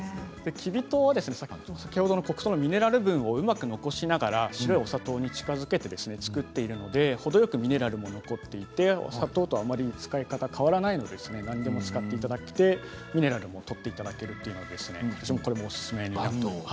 きび糖は先ほどの黒糖のミネラル分をうまく残しながら白いお砂糖に近づけて作っているので程よくミネラルも残っていて砂糖とあんまり使い方が変わらないので何にでも使っていただいてミネラルもとっていただけるというのでこれもおすすめになります。